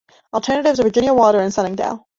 Alternatives are Virginia Water and Sunningdale.